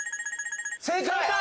正解！